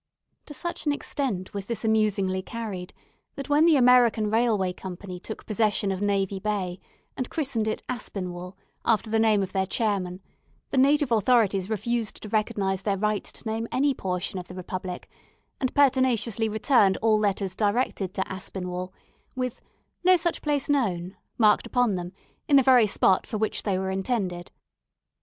To such an extent was this amusingly carried, that when the American Railway Company took possession of Navy Bay, and christened it Aspinwall, after the name of their Chairman, the native authorities refused to recognise their right to name any portion of the Republic, and pertinaciously returned all letters directed to Aspinwall, with "no such place known" marked upon them in the very spot for which they were intended.